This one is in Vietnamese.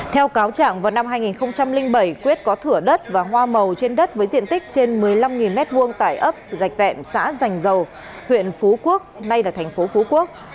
theo cáo trạng vào năm hai nghìn bảy quyết có thửa đất và hoa màu trên đất với diện tích trên một mươi năm m hai tại ấp rạch xã giàh dầu huyện phú quốc nay là thành phố phú quốc